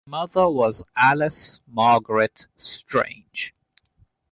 Her mother was Alice Margaret Strange.